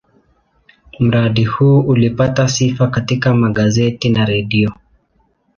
Mradi huu ulipata sifa katika magazeti na redio.